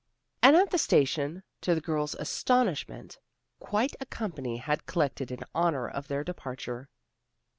And at the station, to the girls' astonishment, quite a company had collected in honor of their departure.